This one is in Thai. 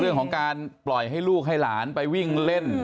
เรื่องของการปล่อยให้ลูกให้หลานไปวิ่งเล่น